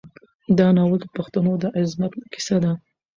دا ناول د پښتنو د عظمت کیسه ده.